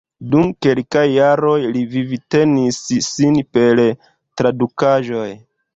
Dum kelkaj jaroj li vivtenis sin per tradukaĵoj.